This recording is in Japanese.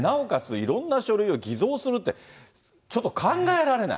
いろんな書類を偽造するって、ちょっと考えられない。